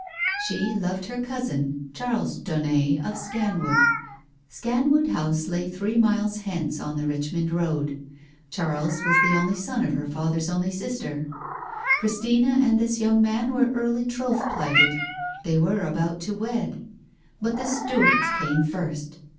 She loved her cousin, Charles Daunet of Scanwood. Scanwood House lay three miles hence on the Richmond Road. Charles was the only son of her father's only sister. Christina and this young man were early troth plighted — they were about to wed — but the Stuarts came first.